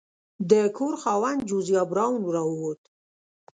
د کور خاوند جوزیا براون راووت.